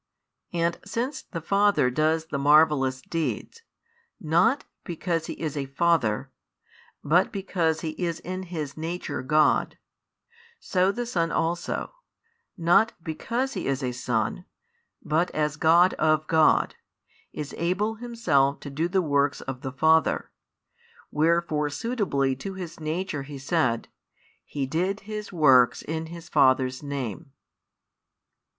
And since the Father does the marvellous deeds, not because He is a Father, but because He is in His Nature God; so the Son also, not because He is a Son, but as God of God, is able Himself to do the works of the Father: wherefore suitably to His Nature He said He did His works in His Father's Name.